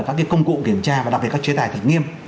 các công cụ kiểm tra và đặc biệt các chế tài thật nghiêm